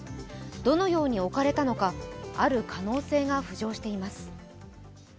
どのように置かれたのか、ある可能性が浮上しています。